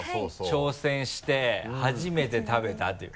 挑戦して初めて食べたという。